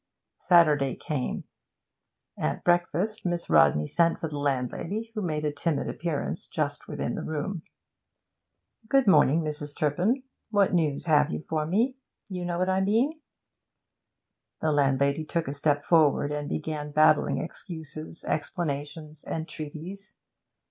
Saturday came. At breakfast Miss Rodney sent for the landlady, who made a timid appearance just within the room. 'Good morning, Mrs. Turpin. What news have you for me? You know what I mean?' The landlady took a step forward, and began babbling excuses, explanations, entreaties.